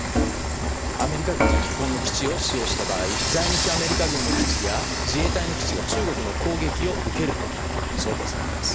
アメリカ軍が日本の基地を使用した場合在日アメリカ軍の基地や自衛隊の基地が中国の攻撃を受けると想定されています。